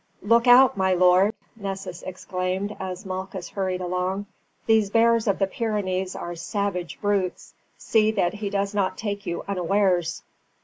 "Look out, my lord!" Nessus exclaimed as Malchus hurried along. "These bears of the Pyrenees are savage brutes. See that he does not take you unawares."